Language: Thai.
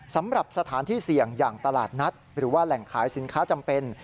สำหรับสถานที่เสี่ยงอย่างตลาดนัดหรือว่าแหล่งขายสินค้าจำเป็น